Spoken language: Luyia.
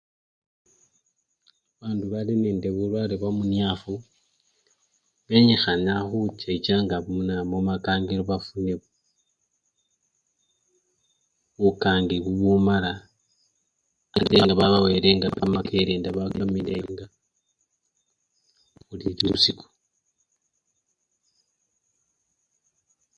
Babandu balinende bulwale bwamunyafu benyikhana khunaa! khuchichanga mumakangilo bafune bukangi bubumala ate nga babawelenga kamakelenda bakamilenga buli lusiku.